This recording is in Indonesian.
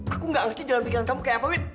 aku enggak harus di dalam pikiran kamu kayak apa wit